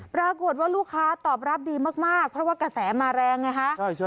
ปรากฏว่าลูกค้าตอบรับดีมากเพราะว่ากระแสมาแรงไงฮะ